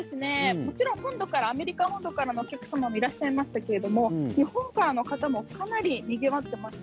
もちろんアメリカ本土からのお客様もいらっしゃいますけれども日本からの方でもかなりにぎわっていますね。